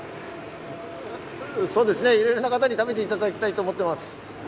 そうですね、いろいろな方に食べていただきたいと思っています。